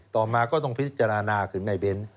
ต่อมาก็ต้องพิจารณาถึงในเบ้น